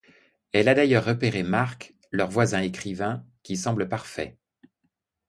Elle a d'ailleurs repéré Marc, leur voisin écrivain, qui semble parfait.